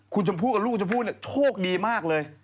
คุณชมพู่กับลูกชมพู่โชคดีมากเลย